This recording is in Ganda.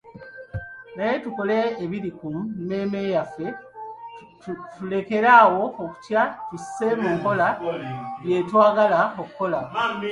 Naye tukole ebiri ku mmeeme yaffe, tulekere awo okutya tusse mu nkola bye twagala okukola